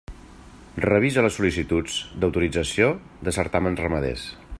Revisa les sol·licituds d'autorització de certàmens ramaders.